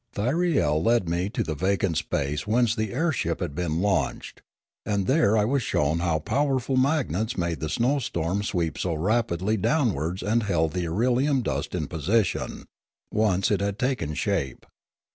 Thyriel led me to the vacant space whence the air ship had been launched; and there I was shown how powerful magnets made the snow storm sweep so rapidly downwards and held the irelium dust in position, once it had taken shape.